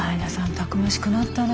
たくましくなったね。